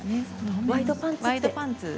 ワイドパンツ。